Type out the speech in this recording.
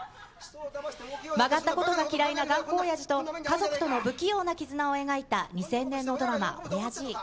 曲がったことが嫌いな頑固おやじと家族との不器用な絆を描いた２０００年のドラマ、オヤジぃ。